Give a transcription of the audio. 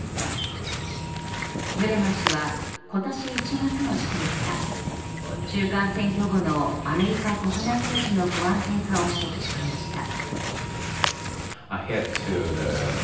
ブレマー氏は今年１月の時点から中間選挙後のアメリカ国内政治の不安定化を指摘していました。